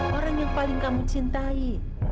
orang yang paling kamu cintai